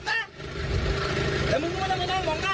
และมึงต้องไม่มองบนหน้าเขา